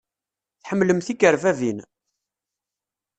Tḥemmlem tikerbabin?